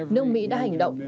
nước mỹ đã hành động